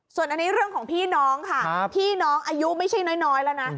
ส่วนอันนี้เรื่องของพี่น้องค่ะพี่น้องอายุไม่ใช่น้อยแล้วนะ